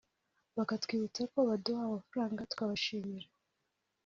bakatwibutsa ko baduha amafaranga tukabashimira